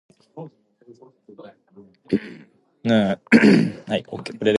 It is based on amounts spent and not on flown miles.